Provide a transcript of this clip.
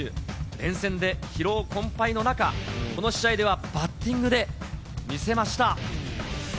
連戦で疲労困ぱいの中、この試合ではバッティングで見せました。